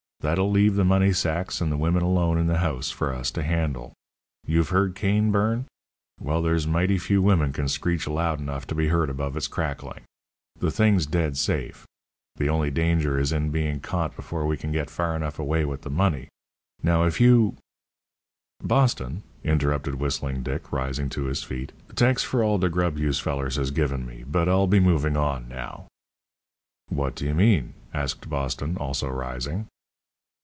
That'll leave the money sacks and the women alone in the house for us to handle. You've heard cane burn? Well, there's mighty few women can screech loud enough to be heard above its crackling. The thing's dead safe. The only danger is in being caught before we can get far enough away with the money. Now, if you " "Boston," interrupted Whistling Dick, rising to his feet, "T'anks for the grub yous fellers has given me, but I'll be movin' on now." "What do you mean?" asked Boston, also rising.